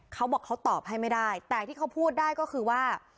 เขาบอกเขาตอบให้ไม่ได้แต่ที่เขาพูดได้ก็คือว่า